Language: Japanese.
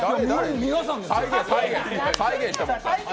皆さんがですよ。